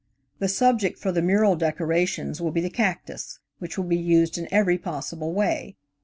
The subject for the mural decorations will be the cactus, which will be used in every possible way.